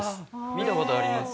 見た事あります。